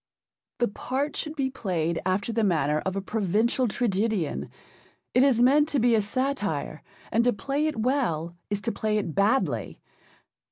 The part should be played after the manner of a provincial tragedian. It is meant to be a satire, and to play it well is to play it badly.